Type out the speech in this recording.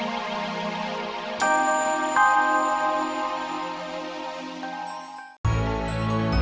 kehendak yang seperti dia